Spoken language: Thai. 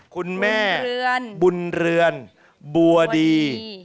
คุณแม่บุญเรือนบัวดี